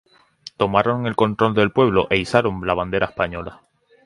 Tomaron el control del pueblo e izaron la bandera española.